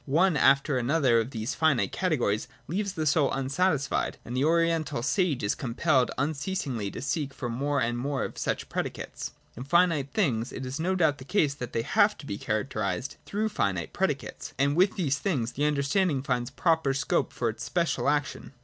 One after another of these finite categories leaves the soul unsatisfied, and the Oriental sage is compelled unceasingly to seek for more and more of such predicates. In finite things it is no doubt the case that they have to be characterised through finite predi cates : and with these things the understanding finds proper scope for its special action.